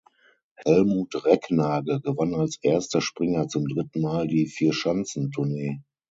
Helmut Recknagel gewann als erster Springer zum dritten Mal die Vierschanzentournee.